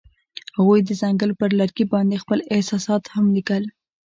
هغوی د ځنګل پر لرګي باندې خپل احساسات هم لیکل.